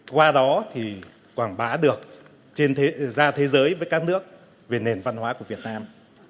qua đó thì quảng bá được ra thế giới với các nước về nền văn hóa của việt nam